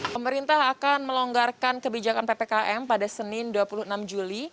pemerintah akan melonggarkan kebijakan ppkm pada senin dua puluh enam juli